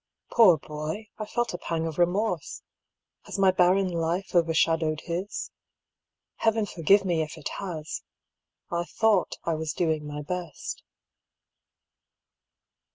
Poor boy! I felt a pang of remorse. Has my barren life overshadowed his? Heaven forgive me if it has! I thought I was doing my best.